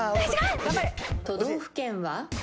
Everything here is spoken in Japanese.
都道府県は？